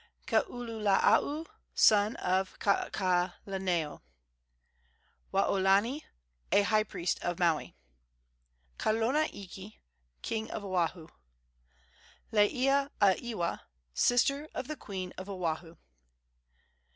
Kaululaau, son of Kakaalaneo. Waolani, a high priest of Maui. Kalona iki, king of Oahu. Laiea a Ewa, sister of the queen of Oahu.